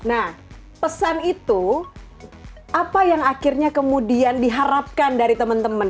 nah pesan itu apa yang akhirnya kemudian diharapkan dari teman teman